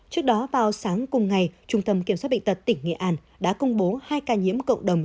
trước đó vào sáng cùng ngày trung tâm kiểm soát bệnh tật tỉnh nghệ an đã công bố hai ca nhiễm cộng đồng